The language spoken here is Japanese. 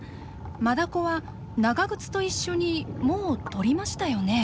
マダコは長靴と一緒にもう撮りましたよね